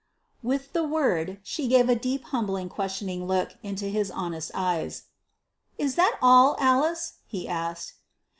With the word she gave a deep, humbly questioning look into his honest eyes. "Is that all, Alice?" he asked.